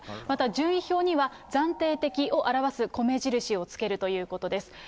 また順位表には、暫定的を表す米印をつけるということです。